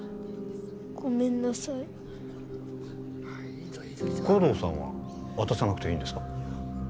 ごめんなさい護道さんは渡さなくていいんですか？